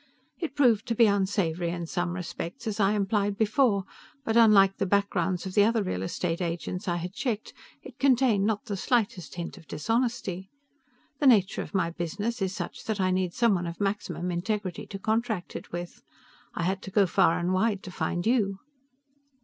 It proved to be unsavory in some respects, as I implied before, but unlike the backgrounds of the other real estate agents I had checked, it contained not the slightest hint of dishonesty. The nature of my business is such that I need someone of maximum integrity to contract it with. I had to go far and wide to find you."